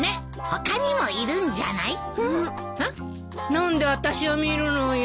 何で私を見るのよ。